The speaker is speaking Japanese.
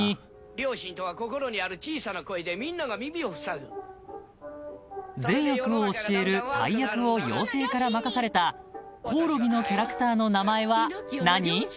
「良心とは心にある小さな声でみんなが耳をふさぐ」［善悪を教える大役を妖精から任されたコオロギのキャラクターの名前は何？］